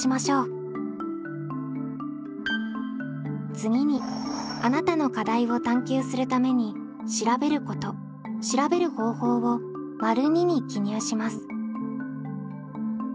次にあなたの課題を探究するために「調べること」「調べる方法」を②に記入します。